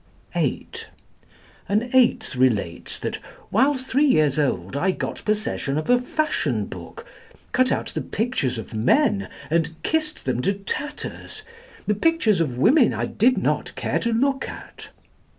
(8) An eighth relates that "while three years old, I got possession of a fashion book, cut out the pictures of men, and kissed them to tatters. The pictures of women I did not care to look at."